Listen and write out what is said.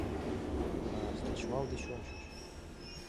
— Ах, кечывал деч ончыч!